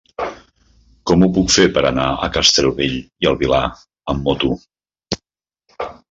Com ho puc fer per anar a Castellbell i el Vilar amb moto?